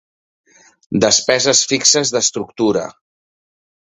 Despeses fixes d'estructura.